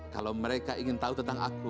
kalau mereka ingin tahu tentang aku